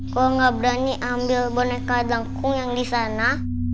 kau gak berani ambil boneka dangkung yang disana